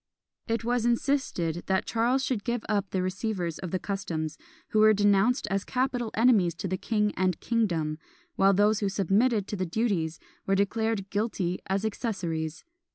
It was insisted that Charles should give up the receivers of the customs, who were denounced as capital enemies to the king and kingdom; while those who submitted to the duties were declared guilty as accessories.